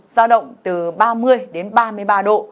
giao động từ ba mươi đến ba mươi ba độ